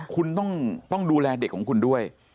คุณต้องดูแลเด็กของคุณด้วย